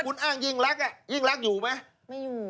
คุณอ้างยิ่งรักอ่ะยิ่งรักอยู่ไหม